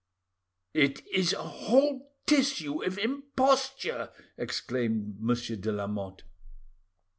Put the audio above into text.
"It is a whole tissue of imposture!" exclaimed Monsieur de Lamotte.